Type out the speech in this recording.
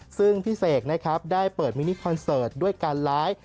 ซึ่งพี่เสกนะครับได้เปิดมินิคอนเสิร์ตด้วยการไลฟ์